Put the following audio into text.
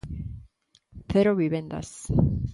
¡Cero vivendas!